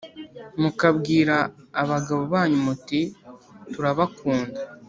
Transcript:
mukabwira abagabo banyu muti tura bakunda